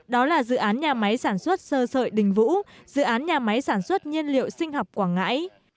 đó là dự án nhà máy sản xuất sơ sợi đình vũ dự án nhà máy sản xuất nhiên liệu sinh học quảng ngãi